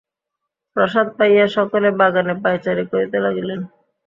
প্রসাদ পাইয়া সকলে বাগানে পায়চারি করিতে লাগিলেন।